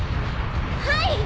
はい！